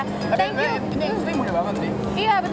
tapi ini yang sering mudah banget sih